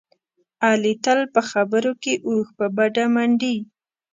علي تل په خبرو کې اوښ په بډه منډي.